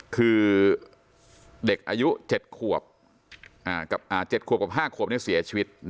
คือเด็กอายุเจ็ดขวบอ่าเจ็ดขวบกับห้าขวบนี่เสียชีวิตนะฮะ